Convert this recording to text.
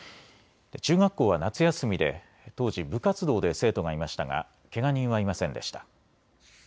中学校は夏休みで当時、部活動で生徒がいましたがけが人はいませんでした。